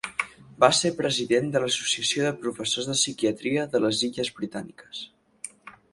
Va ser president de l'Associació de Professors de Psiquiatria de les Illes Britàniques.